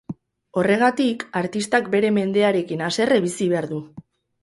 Horregatik, artistak bere mendearekin haserre bizi behar du.